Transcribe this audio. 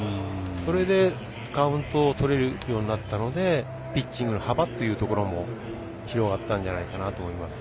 それで、カウントをとれるようになったのでピッチングの幅っていうところも広がったんじゃないかなって思います。